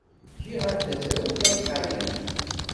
Giɣ-as tazrawt talqayant.